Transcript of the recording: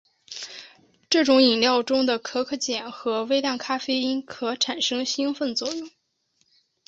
这种饮料中的可可碱和微量咖啡因可产生兴奋作用。